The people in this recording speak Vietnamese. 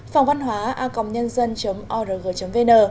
phòng văn hóa a n org vn